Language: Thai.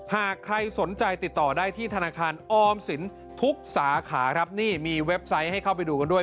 หากใครสนใจติดต่อได้ที่ธนาคารออมสินทุกสาขาครับนี่มีเว็บไซต์ให้เข้าไปดูกันด้วย